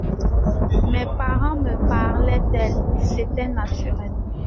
Mes parents me parlaient d’elle, c’était naturel.